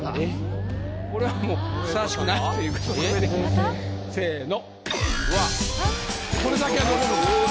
これはもうふさわしくないという事でせぇの。